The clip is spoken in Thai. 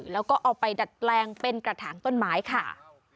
แล้วก็เอาไปดัดแปลงเป็นกระถางต้นไม้ค่ะ